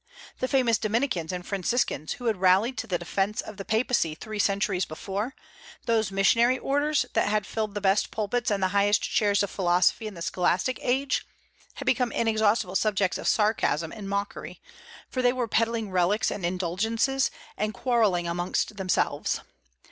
The famous Dominicans and Franciscans, who had rallied to the defence of the Papacy three centuries before, those missionary orders that had filled the best pulpits and the highest chairs of philosophy in the scholastic age, had become inexhaustible subjects of sarcasm and mockery, for they were peddling relics and indulgences, and quarrelling among themselves.